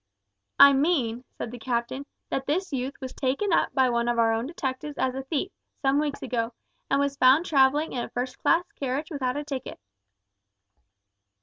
"I mean," said the captain, "that this youth was taken up by one of our own detectives as a thief, some weeks ago, and was found travelling in a first class carriage without a ticket."